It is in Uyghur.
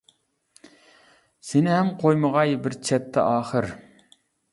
سېنى ھەم قويمىغاي بىر چەتتە ئاخىر.